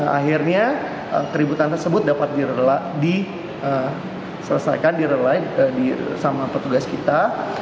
akhirnya keributan tersebut dapat diselesaikan di rellide sama petugas kita